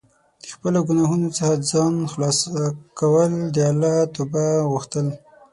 د خپلو ګناهونو څخه ځان خلاص کول او د الله توبه غوښتل.